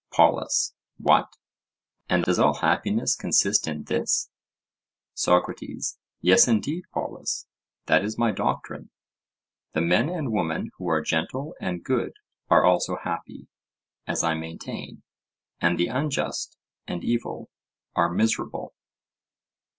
POLUS: What! and does all happiness consist in this? SOCRATES: Yes, indeed, Polus, that is my doctrine; the men and women who are gentle and good are also happy, as I maintain, and the unjust and evil are miserable.